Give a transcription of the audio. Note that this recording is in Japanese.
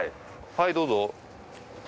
はいどうぞ。